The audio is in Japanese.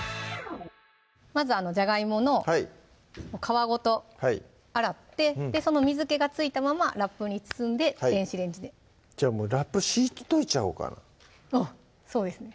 まずじゃがいもの皮ごと洗ってその水気がついたままラップに包んで電子レンジでじゃあラップ敷いといちゃおうかなそうですね